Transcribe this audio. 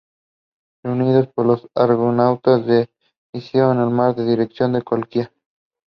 The barrel had six grooves.